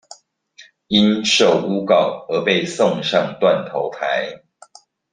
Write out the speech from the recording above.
因受誣告而被送上斷頭臺